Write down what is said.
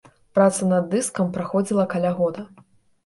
Праца над дыскам праходзіла каля года.